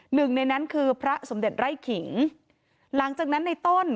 หนึ่งในนั้นคือพระสมเด็จไร่ขิงหลังจากนั้นในต้น